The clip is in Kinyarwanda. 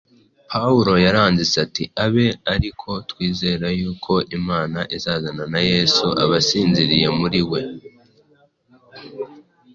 Pawulo yaranditse ati :” Abe ari ko twizera yuko Imana izazanana na Yesu abasinziririye muri we.”